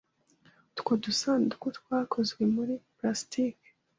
Utwo dusanduku twakozwe muri plastiki.